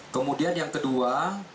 kemudian yang kedua